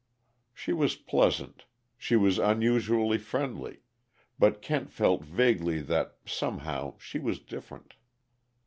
She was pleasant, she was unusually friendly, but Kent felt vaguely that, somehow, she was different.